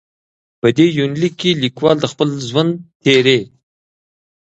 په دې یونلیک کې لیکوال د خپل ژوند تېرې.